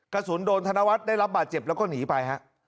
กระสุนโดนธนวัฒน์ได้รับบาดเจ็บแล้วก็หนีไปฮะ